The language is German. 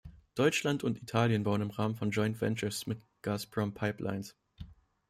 Deutschland und Italien bauen im Rahmen von Joint Ventures mit Gazprom Pipelines.